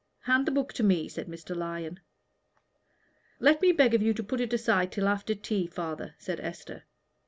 "Hand the book to me," said Mr. Lyon. "Let me beg of you to put it aside till after tea, father," said Esther.